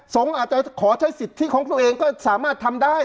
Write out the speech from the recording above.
อาจจะขอใช้สิทธิของตัวเองก็สามารถทำได้